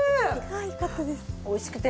よかったです。